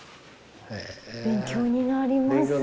勉強になります。